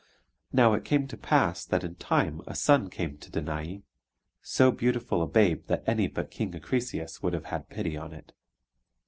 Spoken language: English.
Now it came to pass that in time a son came to Danae: so beautiful a babe that any but King Acrisius would have had pity on it.